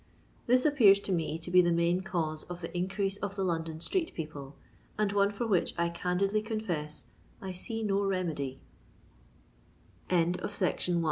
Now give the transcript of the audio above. This appears to me to be the main cause of the increase of the London street people, and one for which I candidly confeu I see no remed